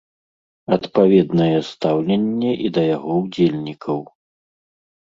Адпаведнае стаўленне і да яго ўдзельнікаў.